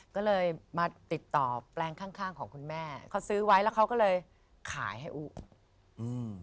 ก็เลยมาติดต่อแปลงข้างข้างของคุณแม่เขาซื้อไว้แล้วเขาก็เลยขายให้อุ๊อืม